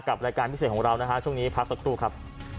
รายการพิเศษของเรานะฮะช่วงนี้พักสักครู่ครับ